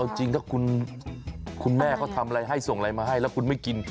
เอาจริงถ้าคุณแม่เขาทำอะไรให้ส่งอะไรมาให้แล้วคุณไม่กิน